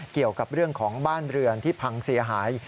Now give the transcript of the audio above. เกี่ยวกับเรื่องของบ้านเรือนที่พังเสียหาย